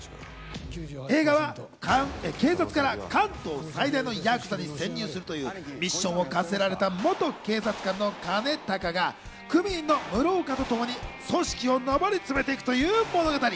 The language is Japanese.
映画は警察から関東最大のヤクザに潜入するというミッションを課せられた元警察官の兼高が組員の室岡とともに組織に上りつめていくという物語。